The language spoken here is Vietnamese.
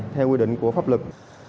theo quy định của pháp lực